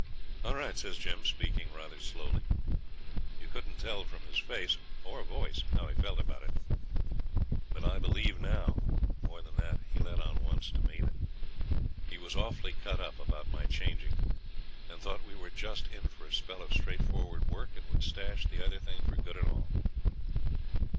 'All right,' says Jim, speaking rather slowly. You couldn't tell from his face or voice how he felt about it; but I believe now more than that, he let on once to me that he was awfully cut up about my changing, and thought we were just in for a spell of straightforward work, and would stash the other thing for good and all.